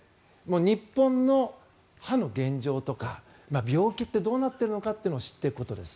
日本の歯の現状とか病気ってどうなっているのかを知っていくことです。